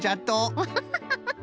アハハハ！